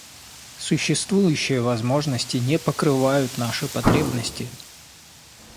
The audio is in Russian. Существующие возможности не покрывают наши потребности.